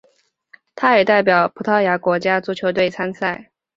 他也代表葡萄牙国家足球队参赛。